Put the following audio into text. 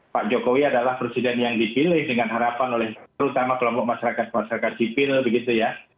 pak jokowi adalah presiden yang dipilih dengan harapan oleh terutama kelompok masyarakat masyarakat sipil begitu ya